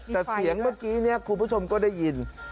แต่เสียงเมื่อกี้นี้คุณผู้ชมก็ได้ยิน